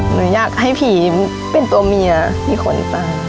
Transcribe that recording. หนูอยากให้ผีเป็นตัวเมียที่ขนตา